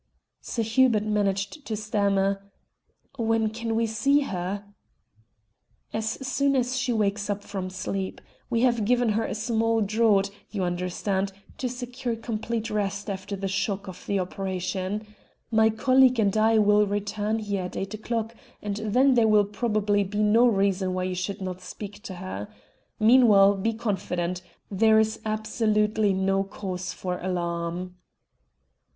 Sir Hubert managed to stammer "When can we see her?" "As soon as she wakes from sleep. We have given her a small draught, you understand, to secure complete rest after the shock of the operation. My colleague and I will return here at eight o'clock, and then there will probably be no reason why you should not speak to her. Meanwhile be confident; there is absolutely no cause for alarm."